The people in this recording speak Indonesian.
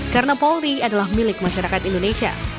karena polri adalah milik masyarakat indonesia